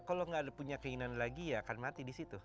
kalau nggak ada punya keinginan lagi ya akan mati di situ